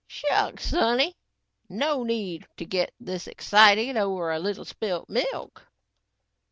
"Shucks, sonny, no need to get this excited over a little spilt milk."